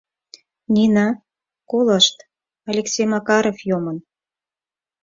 Нина, колышт, Алексей Макаров йомын.